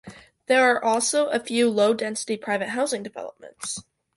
There are also a few low-density private housing developments.